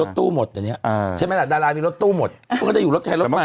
ทุกคนมีรถตู้หมดอย่างเงี้ยอ่าใช่ไหมล่ะดารามีรถตู้หมดเขาก็จะอยู่รถใช้รถมัน